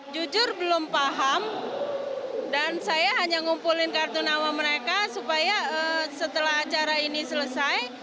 jujur belum paham dan saya hanya ngumpulin kartu nama mereka supaya setelah acara ini selesai